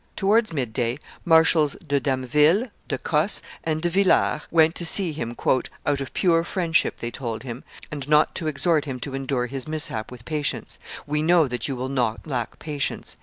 Towards midday, Marshals de Damville, De Cosse, and De Villars went to see him "out of pure friendship," they told him, "and not to exhort him to endure his mishap with patience: we know that you will not lack patience."